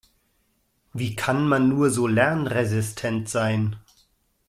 Wie kann man nur so lernresistent sein?